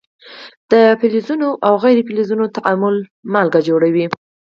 د فلزونو او غیر فلزونو تعامل مالګې جوړوي.